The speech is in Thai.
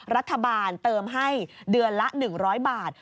รัฐบาลเติมให้เดือนละ๑๐๐บาท